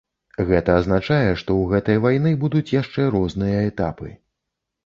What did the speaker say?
Гэта азначае, што ў гэтай вайны будуць яшчэ розныя этапы.